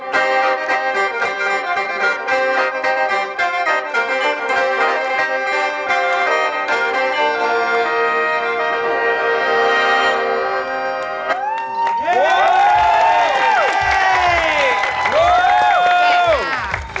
สวัสดีครับ